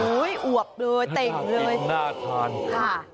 โอ๊ยอวกเลยเต็กเลย